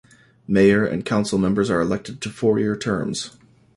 Mayor and councilmembers are elected to four year terms.